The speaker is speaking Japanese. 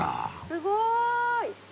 すごい！